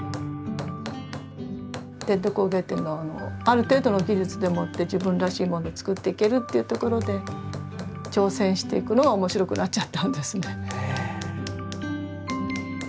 伝統工芸展のある程度の技術でもって自分らしいものを作っていけるっていうところで挑戦していくのが面白くなっちゃったんですね。